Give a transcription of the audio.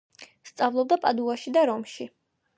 სწავლობდა პადუაში და რომში.